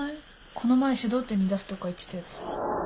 この前書道展に出すとか言ってたやつ。